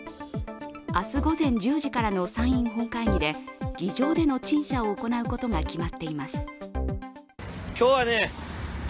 明日午前１０時からの参院本会議で議場での陳謝を行うことが決まっています。